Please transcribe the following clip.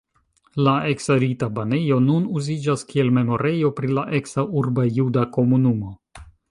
La eksa rita banejo nun uziĝas kiel memorejo pri la eksa urba juda komunumo.